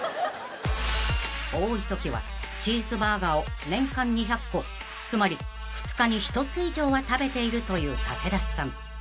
［多いときはチーズバーガーを年間２００個つまり２日に１つ以上は食べているという武田さん］